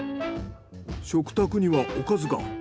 食卓にはおかずが。